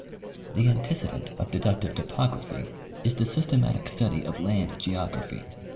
The antecedent of deductive topography is the systematic study of land geography.